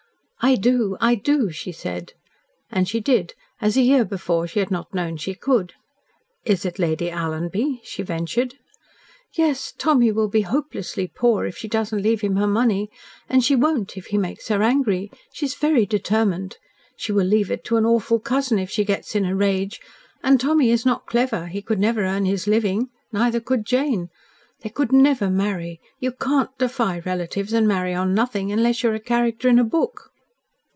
"I do! I do," she said. And she did, as a year ago she had not known she could. "Is it Lady Alanby?" she ventured. "Yes. Tommy will be helplessly poor if she does not leave him her money. And she won't if he makes her angry. She is very determined. She will leave it to an awful cousin if she gets in a rage. And Tommy is not clever. He could never earn his living. Neither could Jane. They could NEVER marry. You CAN'T defy relatives, and marry on nothing, unless you are a character in a book."